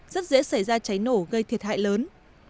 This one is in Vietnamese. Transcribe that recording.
rất dễ xảy ra cháy nổ gây thiệt hại lớn